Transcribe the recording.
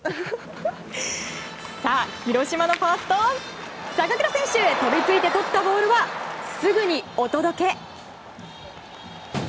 広島のファースト坂倉選手飛びついてとったボールはすぐにお届け！